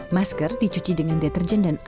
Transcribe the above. masker dicuci dengan deterjen dan air